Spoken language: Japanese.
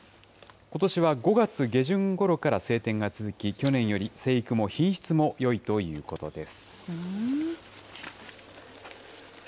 ことしは５月下旬ごろから晴天が続き、去年より生育も品質もよいということです。